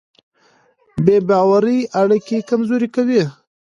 بې باورۍ اړیکې کمزورې کوي.